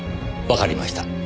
わかりました。